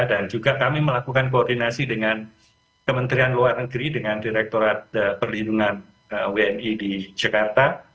dan juga kami melakukan koordinasi dengan kementerian luar negeri dengan direkturat perlindungan wni di jakarta